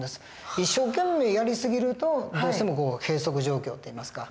一生懸命やり過ぎるとどうしても閉塞状況っていいますか。